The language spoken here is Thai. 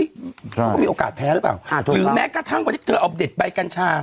เขาก็มีโอกาสแพ้หรือเปล่าหรือแม้กระทั่งวันนี้เธอเอาเด็ดใบกัญชา